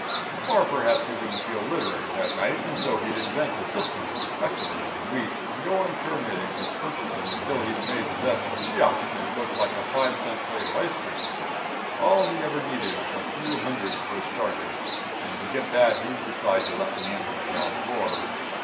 Or perhaps he wouldn't feel literary that night, and so he'd invent a system for speculating in wheat and go on pyramiding his purchases till he'd made the best that Cheops did look like a five cent plate of ice cream. All he ever needed was a few hundred for a starter, and to get that he'd decide to let me in on the ground floor.